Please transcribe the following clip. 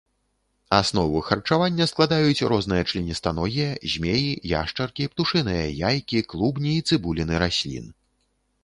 Аснову харчавання складаюць розныя членістаногія, змеі, яшчаркі, птушыныя яйкі, клубні і цыбуліны раслін.